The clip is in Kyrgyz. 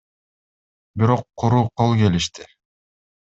Бирок куру кол келишти.